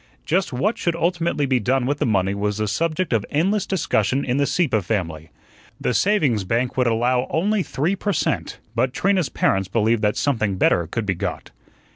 Just what should ultimately be done with the money was the subject of endless discussion in the Sieppe family. The savings bank would allow only three per cent., but Trina's parents believed that something better could be got.